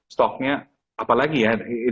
stock nya apalagi ya